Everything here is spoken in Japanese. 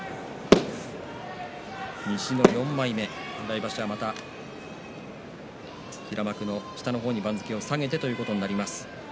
西の４枚目、来場所はまた平幕の下の方に番付を下げてということになります。